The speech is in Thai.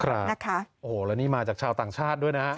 โอ้โฮแล้วนี่มาจากชาวต่างชาติด้วยนะครับ